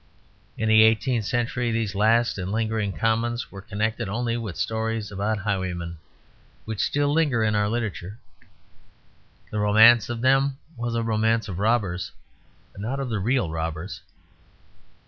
In the eighteenth century these last and lingering commons were connected only with stories about highwaymen, which still linger in our literature. The romance of them was a romance of robbers; but not of the real robbers.